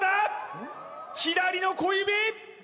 左の小指！